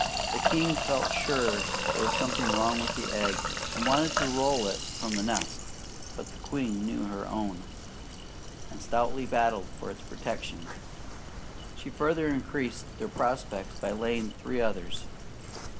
The king felt sure there was something wrong with the egg, and wanted to roll it from the nest; but the queen knew her own, and stoutly battled for its protection. She further increased their prospects by laying three others.